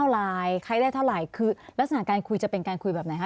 ลักษณะการคุยจะเป็นการคุยแบบไหนคะ